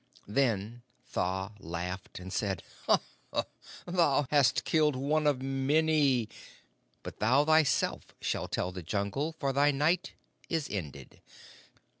"Then Tha laughed, and said: 'Thou hast killed one of many, but thou thyself shalt tell the Jungle for thy Night is ended.'